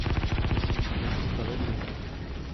Myslím, že je to spravedlivé.